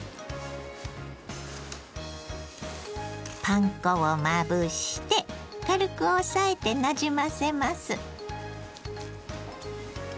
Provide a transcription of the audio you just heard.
パン粉をまぶして軽く押さえてなじませます。